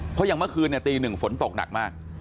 เพราะอย่างเมื่อคืนตีหนึ่งฝนตกหนักมาก